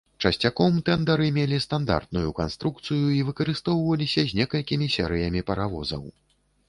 Часцяком, тэндары мелі стандартную канструкцыю і выкарыстоўваліся з некалькімі серыямі паравозаў.